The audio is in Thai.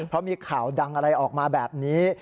เพราะมีข่าวดังอะไรออกมาแบบนี้